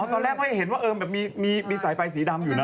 ตอนแรกไม่เห็นว่ามีสายไฟสีดำอยู่นะ